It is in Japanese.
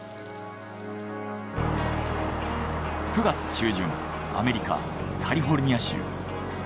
９月中旬アメリカ・カリフォルニア州。